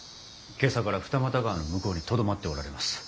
今朝から二俣川の向こうにとどまっておられます。